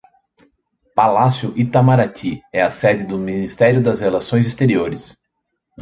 Palácio Itamaraty é a sede do Ministério das Relações Exteriores